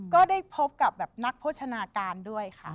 ก็ได้พบกับแบบนักโภชนาการด้วยค่ะ